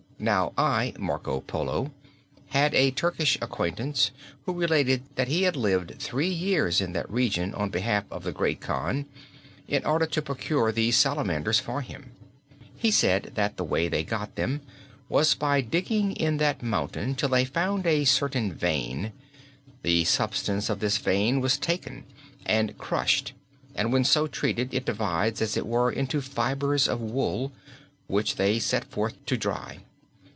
Now I, Marco Polo, had a Turkish acquaintance who related that he had lived three years in that region on behalf of the Great Khan, in order to procure these salamanders for him. He said that the way they got them was by digging in that mountain till they found a certain vein. The substance of this vein was taken and crushed, and when so treated it divides, as it were, into fibres of wool, which they set forth to dry.